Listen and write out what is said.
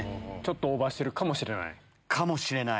オーバーしてるかもしれない。